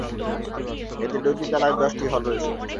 এতে দুইটি তলায় দশটি হল রয়েছে।